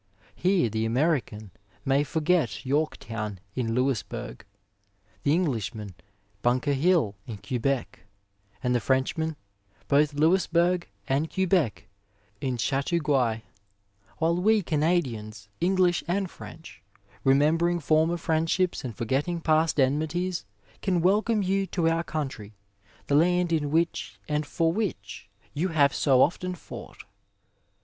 Here, the Ameri can may forget Torktown in Louisbourg, the EngUshman Bunker Hill in Quebec, and the Frenchman both Louis bourg and Quebec in Chateauguay ; while we Canadians, English and French, remembering former friendships and forgetting past enmities can welcome you to our country — ^the land in which and for which you have so often fought.